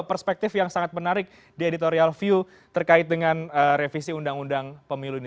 perspektif yang sangat menarik di editorial view terkait dengan revisi undang undang pemilu ini